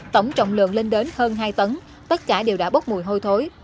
tổng trọng lượng lên đến hơn hai tấn tất cả đều đã bốc mùi hôi thối